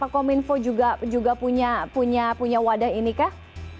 kominfo juga punya wadah ini kah